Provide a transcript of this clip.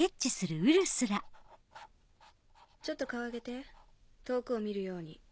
ちょっと顔上げて遠くを見るように。